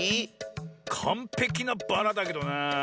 かんぺきなバラだけどなあ。